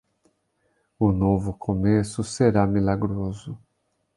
O novo começo será milagroso.